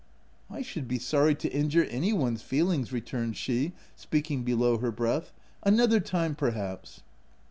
" I should be sorry to injure any one's feel ings/' returned she, speaking below her breath, " another time, perhaps."